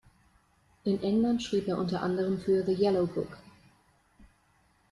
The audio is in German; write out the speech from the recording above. In England schrieb er unter anderem für The Yellow Book.